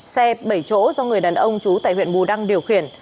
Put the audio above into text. xe bảy chỗ do người đàn ông trú tại huyện bù đăng điều khiển